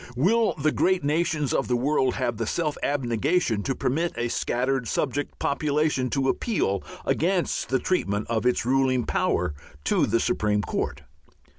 Will the great nations of the world have the self abnegation to permit a scattered subject population to appeal against the treatment of its ruling power to the Supreme Court?